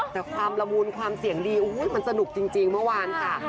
แต่ความละมุนความเสี่ยงดีมันสนุกจริงเมื่อวานค่ะ